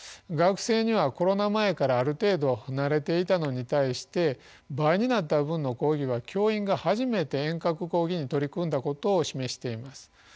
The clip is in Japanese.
学生にはコロナ前からある程度慣れていたのに対して倍になった分の講義は教員が初めて遠隔講義に取り組んだことを示しています。